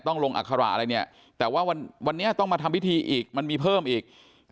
ต้องลงอัคระอะไรเนี่ยแต่ว่าวันนี้ต้องมาทำพิธีอีกมันมีเพิ่มอีก